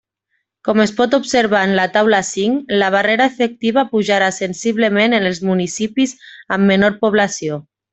Com es pot observar en la taula cinc, la barrera efectiva pujarà sensiblement en els municipis amb menor població.